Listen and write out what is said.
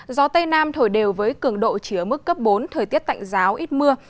gió tây nam thổi đều với cường độ chỉ ở mức cấp bốn thời tiết tạnh giáo ít mưa